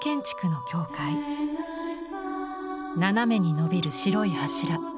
斜めにのびる白い柱。